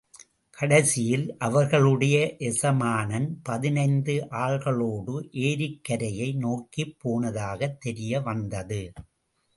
கடைசியில், அவர்களுடைய எஜமானன் பதினைந்து ஆள்களோடு ஏரிக்கரையை நோக்கிப் போனதாகத் தெரியவந்தது.